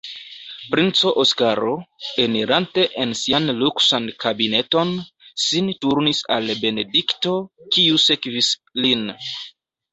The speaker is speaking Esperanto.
Princo Oskaro, enirante en sian luksan kabineton, sin turnis al Benedikto, kiu sekvis lin.